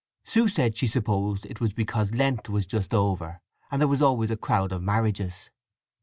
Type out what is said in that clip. Sue said she supposed it was because Lent was just over, when there was always a crowd of marriages.